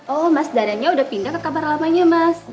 oh mas dadannya udah pindah ke kamar lamanya mas